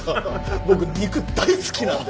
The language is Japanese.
僕肉大好きなんで。